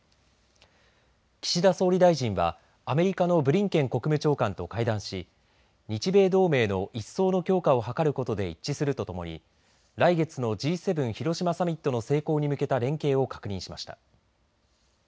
岸田総理大臣はアメリカのブリンケン国務長官と会談し日米同盟の一層の強化を図ることで一致するとともに来月のＧ７広島サミットの成功に向けた連携を確認しました。